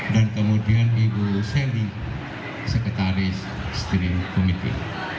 dan kemudian ibu seli sekretaris steering committee